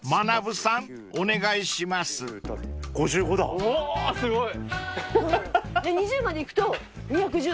すごい。